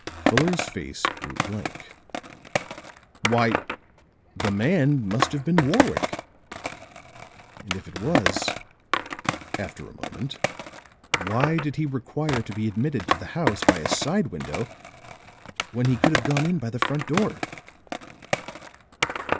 Fuller's face grew blank. "Why, the man must have been Warwick! And if it was," after a moment, "why did he require to be admitted to the house by a side window when he could have gone in by the front door?"